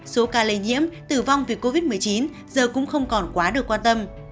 số ca lây nhiễm tử vong vì covid một mươi chín giờ cũng không còn quá được quan tâm